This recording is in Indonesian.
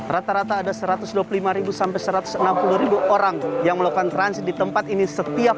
rata rata ada satu ratus dua puluh lima sampai satu ratus enam puluh orang yang melakukan transit di tempat ini setiap